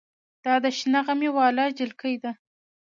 دا د شنه غمي واله جلکۍ ده.